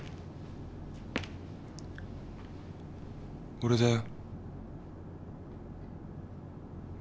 俺だよ。